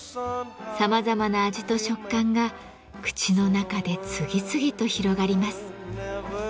さまざまな味と食感が口の中で次々と広がります。